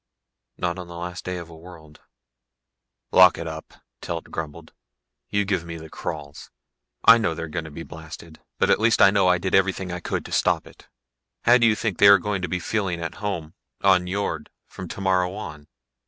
"Not on the last day of a world." "Lock it up," Telt grumbled. "You give me the crawls. I know they're going to be blasted. But at least I know I did everything I could to stop it. How do you think they are going to be feeling at home on Nyjord from tomorrow on?"